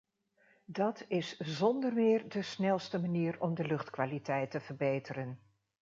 Dat is zonder meer de snelste manier om de luchtkwaliteit te verbeteren.